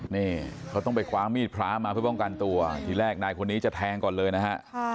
นี่เขาต้องไปคว้ามีดพระมาเพื่อป้องกันตัวทีแรกนายคนนี้จะแทงก่อนเลยนะฮะ